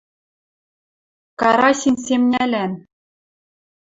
Карасин семнялӓн